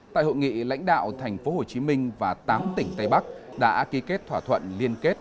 tại hội nghị lãnh đạo thành phố hồ chí minh và tám tỉnh tây bắc đã ký kết thỏa thuận liên kết